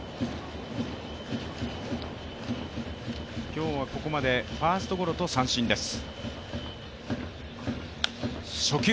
今日はここまでファーストゴロと三振です。